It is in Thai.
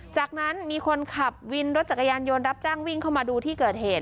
จากนั้นมีคนขับวินรถจักรยานยนต์รับจ้างวิ่งเข้ามาดูที่เกิดเหตุ